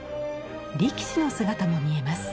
力士の姿も見えます。